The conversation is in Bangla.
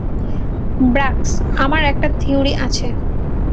ব্র্যাক্স, আমার একটা থিউরী আছে!